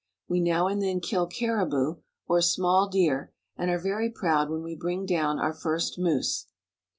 We now and then kill caribou, or small deer, and are very proud when we bring down our first moose.